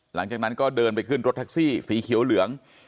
หลังจากนั้นก็เดินไปขึ้นรถแท็กซี่สีเขียวเหลือง